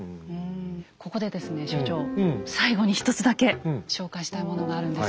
ここでですね所長最後に１つだけ紹介したいものがあるんです。